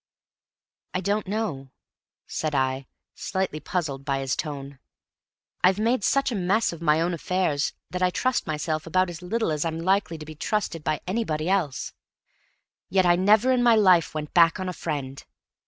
"I don't know," said I, slightly puzzled by his tone. "I've made such a mess of my own affairs that I trust myself about as little as I'm likely to be trusted by anybody else. Yet I never in my life went back on a friend.